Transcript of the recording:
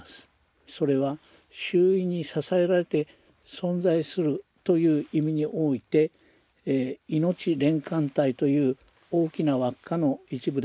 それは周囲に支えられて存在するという意味においていのち連環体という大きな輪っかの一部でもあります。